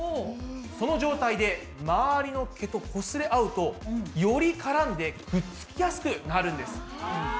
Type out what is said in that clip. その状態で周りの毛とこすれ合うとより絡んでくっつきやすくなるんです。